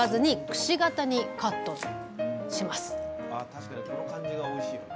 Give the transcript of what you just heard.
確かにこの感じがおいしいよな。